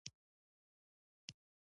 پنځه پنځوس تر حد ته رسېدلی یم.